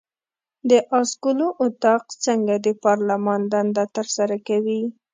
د آس ګلو اطاق څنګه د پارلمان دنده ترسره کوي؟